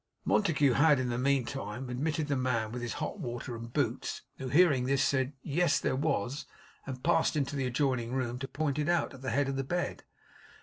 Montague had in the meantime admitted the man with his hot water and boots, who hearing this, said, yes, there was; and passed into the adjoining room to point it out, at the head of the bed.